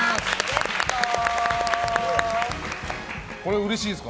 うれしいですか？